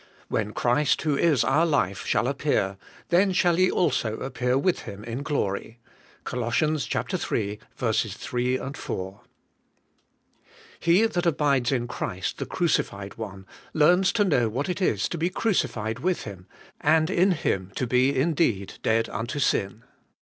When Christ, who is our life, shall appear, then shall ye also appear with Him in glory. '— COL. iii. 3, 4. HE that abides in Christ the Crucified One, learns to know what it is to be crucified with Him, and in Him to be indeed dead unto sin.